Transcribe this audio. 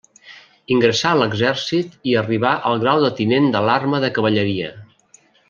Ingressà a l'exèrcit i arribà al grau de tinent de l'arma de cavalleria.